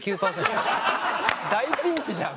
大ピンチじゃん！